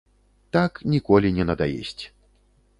Так ніколі не надаесць.